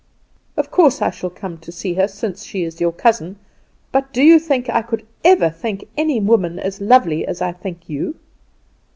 "Of course I shall come to see her, since she is your cousin; but do you think I could ever think any woman as lovely as I think you?"